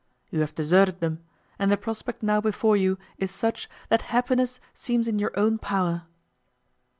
You have deserted them; and the prospect now before you is such, that happiness seems in your own power."